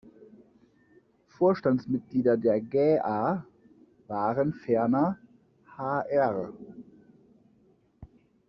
Vorstandsmitglieder der Gäa waren ferner Hr.